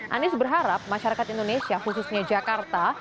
anies berharap masyarakat indonesia khususnya jakarta